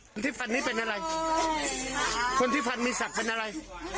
คนที่ฟันนี้เป็นอะไรคนที่ฟันมีศักดิ์เป็นอะไร